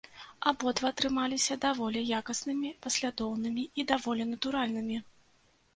Абодва атрымаліся даволі якаснымі, паслядоўнымі і даволі натуральнымі.